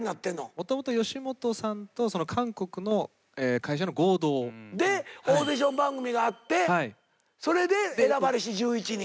もともと吉本さんと韓国の会社の合同。でオーディション番組があってそれで選ばれし１１人。